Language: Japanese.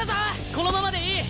このままでいい！